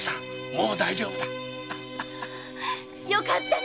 もう大丈夫だ。よかったね！